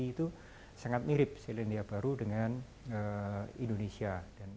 itu sangat mirip selandia baru dengan indonesia